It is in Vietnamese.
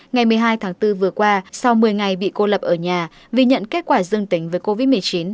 ngày một mươi hai tháng bốn vừa qua sau một mươi ngày bị cô lập ở nhà vì nhận kết quả dương tính với covid một mươi chín